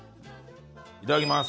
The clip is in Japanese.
いただきます。